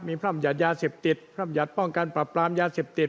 มีพร่ำหยัดยาเสพติดพร่ำหยัดป้องกันปรับปรามยาเสพติด